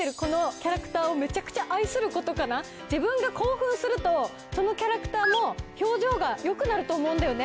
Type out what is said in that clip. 自分が興奮するとそのキャラクターも表情がよくなると思うんだよね。